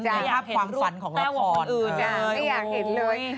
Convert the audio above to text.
ภาพความฝันของละครไม่อยากเห็นเลย